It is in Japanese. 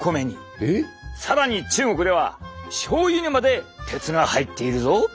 更に中国ではしょうゆにまで鉄が入っているぞ！